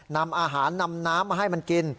นำอาหารนำน้ำมาให้มันกิน